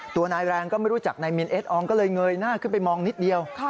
ตัวนายแรงก็ไม่รู้จักนายมินเอสอองก็เลยเงยหน้าขึ้นไปมองนิดเดียว